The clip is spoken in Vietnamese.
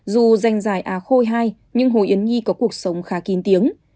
dù danh dài a khôi hai nhưng hồ yến nhi có cuộc sống khá kín tiếng